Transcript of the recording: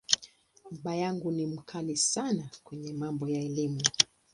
Baba yangu ni ‘mkali’ sana kwenye mambo ya Elimu.